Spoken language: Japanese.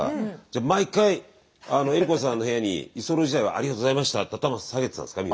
じゃあ毎回江里子さんの部屋に居候時代はありがとうございましたって頭下げてたんですか？